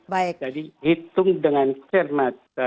jadi hitung dengan cermat